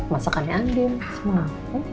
masakannya andin semua